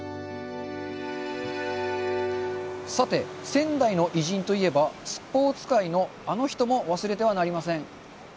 さて、仙台の偉人といえばスポーツ界のあの人も忘れてはなりません。